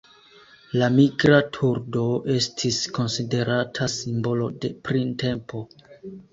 La Migra turdo estis konsiderata simbolo de printempo.